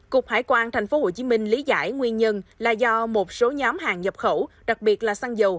cục hải quan tp hcm lý giải nguyên nhân là do một số nhóm hàng nhập khẩu đặc biệt là xăng dầu